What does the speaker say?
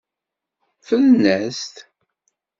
Ffren-as-t.